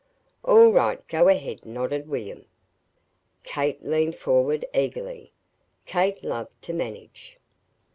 "All right, go ahead!" nodded William. Kate leaned forward eagerly Kate loved to "manage."